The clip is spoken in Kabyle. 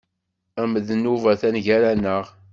Amednub atan gar-aneɣ.